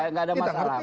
kita ngerti itu